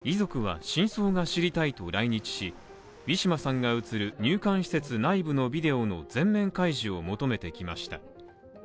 遺族は真相が知りたいと来日、ウィシュマさんが映る入管施設内部のビデオの全面開示を求めてきました。